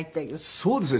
そうですね。